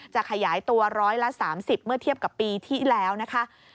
จะขยายตัวร้อยละ๓๐เมื่อเทียบกับปีที่แล้วนะคะ